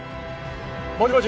もしもし